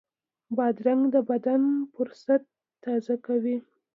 بادرنګ د بدن فُرصت تازه کوي.